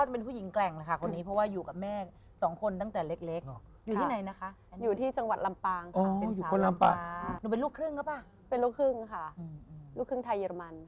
เป็นลูกครึ่งค่ะลูกครึ่งไทยเยอรมัน